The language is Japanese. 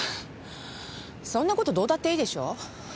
そんな事どうだっていいでしょ。